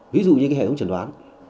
ví dụ như hệ thống trần đoán